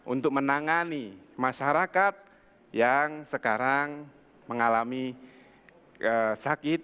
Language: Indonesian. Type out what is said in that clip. untuk menangani masyarakat yang sekarang mengalami sakit